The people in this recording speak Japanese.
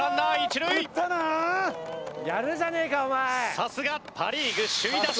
さすがパ・リーグ首位打者！